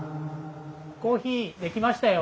コーヒー出来ましたよ。